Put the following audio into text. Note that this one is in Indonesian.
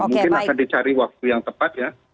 mungkin akan dicari waktu yang tepat ya